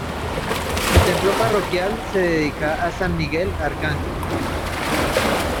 Su templo parroquial se dedica a San Miguel Arcángel.